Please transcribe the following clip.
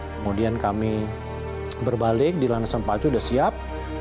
kemudian kami berbalik di langsang pacu sudah siap